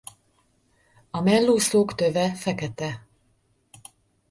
A mellúszók töve fekete.